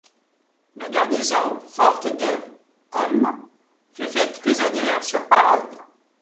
La garnison, forte de hommes, fut faite prisonnière sur parole.